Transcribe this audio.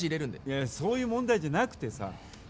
いや、そういう問題じゃなくてさ。